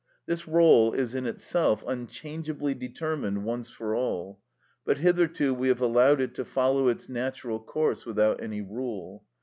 This rôle is in itself unchangeably determined once for all, but hitherto we have allowed it to follow its natural course without any rule.